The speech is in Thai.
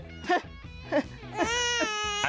ฮะ